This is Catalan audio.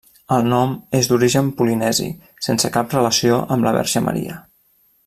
El nom és d'origen polinesi sense cap relació amb la Verge Maria.